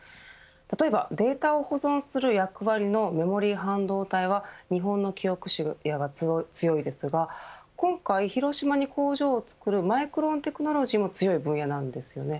例えば、データを保存する役割のメモリー半導体は日本のキオクシアが強いですが今回広島に工場をつくるマイクロン・テクノロジーも強い分野です。